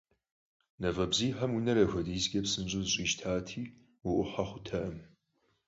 Мафӏэ бзийхэм унэр апхуэдизкӏэ псынщӏэу зэщӏищтати, уӏухьэ хъуртэкъым.